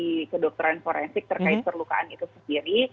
di kedokteran forensik terkait perlukaan itu sendiri